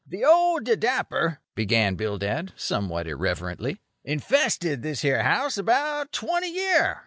"The old didapper," began Bildad, somewhat irreverently, "infested this here house about twenty year.